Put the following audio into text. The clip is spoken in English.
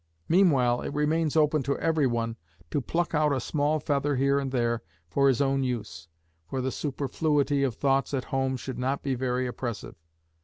Meanwhile it remains open to every one to pluck out a small feather here and there for his own use, for the superfluity of thoughts at home should not be very oppressive.